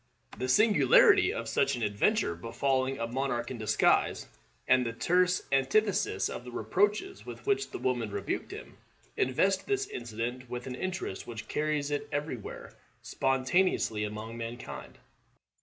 The singularity of such an adventure befalling a monarch in disguise, and the terse antithesis of the reproaches with which the woman rebuked him, invest this incident with an interest which carries it every where spontaneously among mankind.